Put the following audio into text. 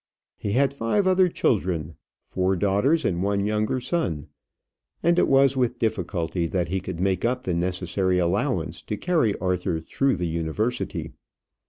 He had five other children four daughters, and one younger son, and it was with difficulty that he could make up the necessary allowance to carry Arthur through the University.